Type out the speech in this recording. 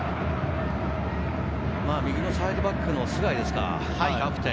右のサイドバックの須貝、キャプテン。